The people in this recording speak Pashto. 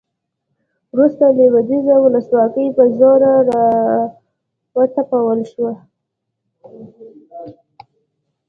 وروسته لویدیځه ولسواکي په زور راوتپل شوه